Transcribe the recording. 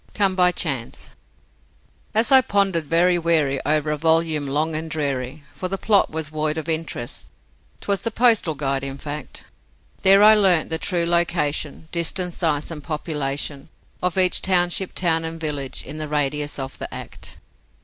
Come by Chance As I pondered very weary o'er a volume long and dreary For the plot was void of interest 'twas the Postal Guide, in fact, There I learnt the true location, distance, size, and population Of each township, town, and village in the radius of the Act.